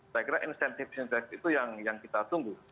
saya kira insentif insentif itu yang kita tunggu